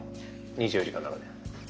２４時間の中で。